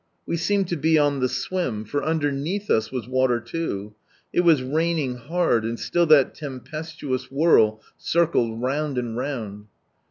We seemed to be on the swim, for underneath us was water loo. It was raining hard, and still that tempestuous whirl circled round and round.